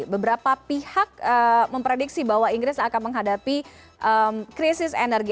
beberapa pihak memprediksi bahwa inggris akan menghadapi krisis energi